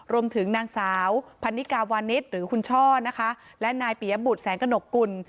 รวมถึงนางสาวพันนิกาวานิสหรือคุณช่อนะคะและนายปียบุตรแสงกระหนกกุล